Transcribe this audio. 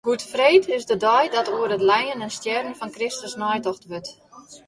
Goedfreed is de dei dat oer it lijen en stjerren fan Kristus neitocht wurdt.